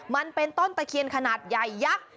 มันเป็นต้นตะเคียนขนาดใหญ่ยักษ์